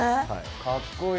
かっこいい。